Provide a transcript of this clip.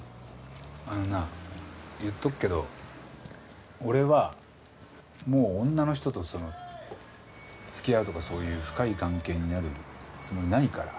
あのな言っとくけど俺はもう女の人とその付き合うとかそういう深い関係になるつもりないから。